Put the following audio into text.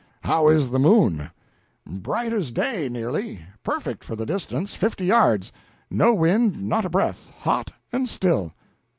How is the moon?" "Bright as day, nearly. Perfect, for the distance fifteen yards. No wind not a breath; hot and still."